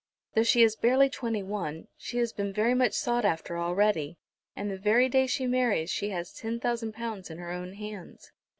Though she is barely twenty one, she has been very much sought after already, and the very day she marries she has ten thousand pounds in her own hands.